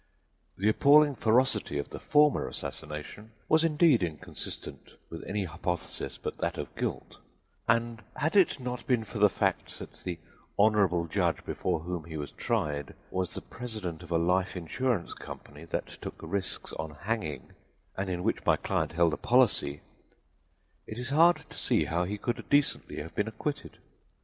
The appalling ferocity of the former assassination was indeed inconsistent with any hypothesis but that of guilt; and had it not been for the fact that the honorable judge before whom he was tried was the president of a life insurance company that took risks on hanging, and in which my client held a policy, it is hard to see how he could decently have been acquitted.